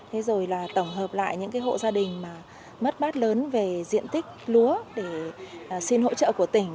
thế rồi là tổng hợp lại những hộ gia đình mất bát lớn về diện tích lúa để xin hỗ trợ của tỉnh